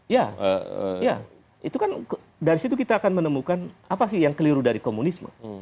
ya itu kan dari situ kita akan menemukan apa sih yang keliru dari komunisme